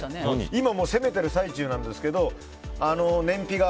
今、攻めてる最中なんですけど燃費が